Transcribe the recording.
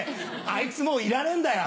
あいつもういらねえんだよ。